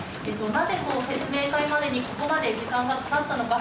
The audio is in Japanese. なぜ説明会までに、ここまで時間がかかったのか。